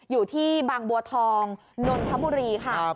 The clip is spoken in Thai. อยู่ที่บางบัวทองนนทบุรีค่ะ